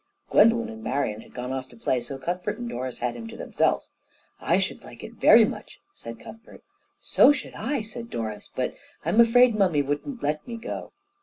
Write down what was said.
Gwendolen and Marian had gone off to play, so Cuthbert and Doris had him to themselves. "I should like it very much," said Cuthbert. "So should I," said Doris, "but I'm afraid Mummy wouldn't let me go."